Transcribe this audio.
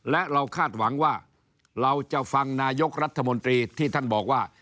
และเราคาดหวังว่าเราจะฟังนายกรัฐมนตรีที่ท่านบอกว่า